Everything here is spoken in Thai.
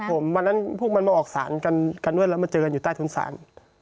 ผมวันนั้นพวกมันมาออกสารกันด้วยแล้วมาเจอกันอยู่ใต้ทุนศาล